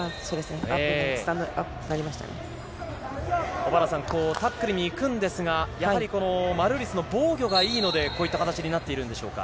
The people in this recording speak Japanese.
小原さん、タックルに行くんですが、マルーリスの防御がいいのでこういった形になっているんでしょうか。